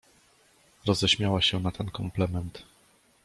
"Roześmiała się na ten komplement."